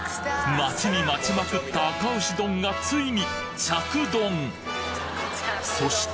待ちに待ちまくったあか牛丼がついに着丼そして！